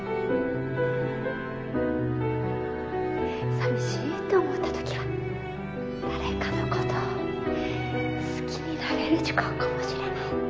寂しいって思った時は誰かのことを好きになれる時間かもしれない。